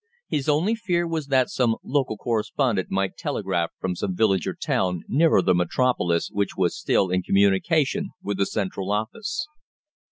His only fear was that some local correspondent might telegraph from some village or town nearer the metropolis which was still in communication with the central office.